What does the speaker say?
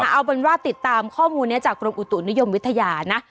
เอาเป็นว่าติดตามข้อมูลนี้จากกรมอุตุนิยมวิทยานะ